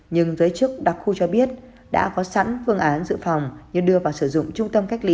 nhưng giới chức đặc khu cho biết đã có sẵn phương án dự phòng như đưa vào sử dụng trung tâm cách ly